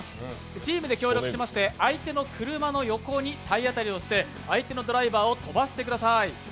チームで協力しまして相手の車の横に体当たりしまして相手のドライバーを飛ばしてください。